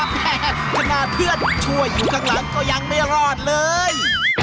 แม่ขนาดเพื่อนช่วยอยู่ข้างหลังก็ยังไม่รอดเลย